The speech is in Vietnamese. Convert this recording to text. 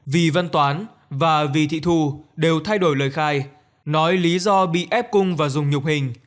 vì văn toán và vì thị thù đều thay đổi lời khai nói lý do bị ép cung và dùng nhục hình